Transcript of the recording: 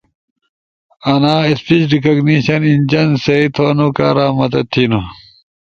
انا اسپیج ریکگنیشن انجن سیئی تھونو کارا مدد تھینو۔